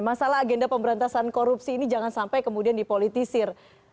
masalah agenda pemberantasan korupsi ini jangan sampai kemudian dipolitisir